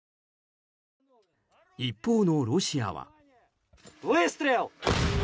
一方のロシアは。